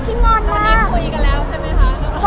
คุยกันไหม